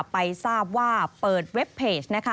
ไปทราบว่าเปิดเว็บเพจ